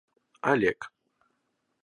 Олег